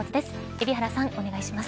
海老原さん、お願いします。